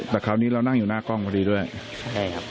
แต่คราวนี้เรานั่งอยู่หน้ากล้องพอดีด้วยใช่ครับ